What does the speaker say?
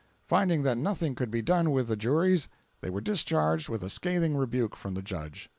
"Finding that nothing could be done with the juries, they were discharged with a scathing rebuke from the judge.